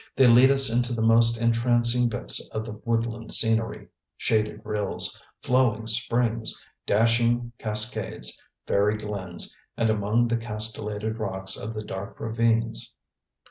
They lead us into the most entrancing bits of the woodland scenery shaded rills, flowing springs, dashing cascades, fairy glens, and among the castellated rocks of the dark ravines.